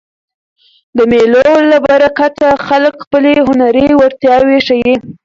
د مېلو له برکته خلک خپلي هنري وړتیاوي ښيي.